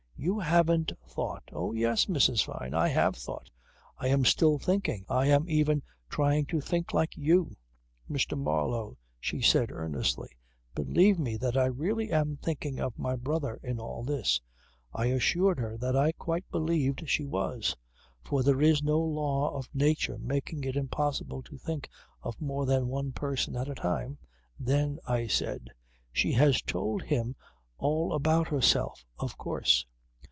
"You haven't thought " "Oh yes, Mrs. Fyne! I have thought. I am still thinking. I am even trying to think like you." "Mr. Marlow," she said earnestly. "Believe me that I really am thinking of my brother in all this ..." I assured her that I quite believed she was. For there is no law of nature making it impossible to think of more than one person at a time. Then I said: "She has told him all about herself of course."